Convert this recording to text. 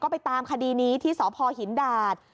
ไปตามคดีนี้ที่สพหินดาด